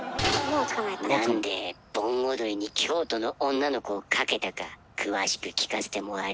なんで盆踊りに「京都の女の子」をかけたか詳しく聞かせてもらえるかい？